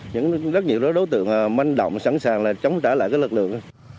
những rất nhiều đối tượng manh động sẵn sàng là chống trả lại các lực lượng